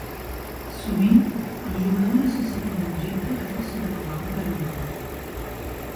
Sovint el jugador necessita un objecte que faci de "clau" per a un altre.